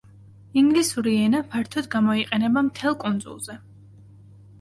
ინგლისური ენა ფართოდ გამოიყენება მთელ კუნძულზე.